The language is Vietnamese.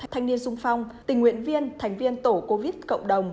thanh niên sung phong tình nguyện viên thành viên tổ covid cộng đồng